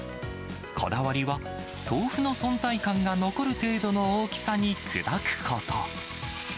こだわりは、豆腐の存在感が残る程度の大きさに砕くこと。